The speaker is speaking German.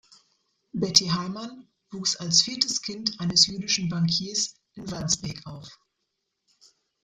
Betty Heimann wuchs als viertes Kind eines jüdischen Bankiers in Wandsbek auf.